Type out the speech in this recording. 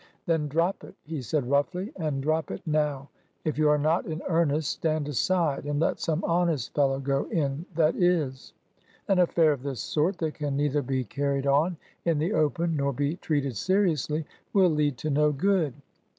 " Then drop it !" he said roughly. And drop it now 1 If you are not in earnest, stand aside and let some honest fellow go in that is! An aflfair of this sort, that can neither be carried on in the open nor be treated seriously, will lead to no good."